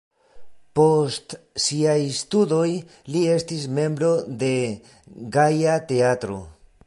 Post siaj studoj li estis membro de Gaja Teatro.